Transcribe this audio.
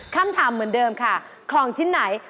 คำถามเหมือนเดิมค่ะของชิ้นไหน